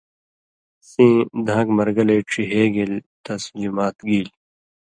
سیں ﷺ دھان٘ک مرگلئ ڇِہے گېل تَس جُماتھ گیلیۡ۔